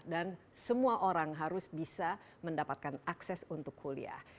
dan semua orang harus bisa mendapatkan akses untuk kuliah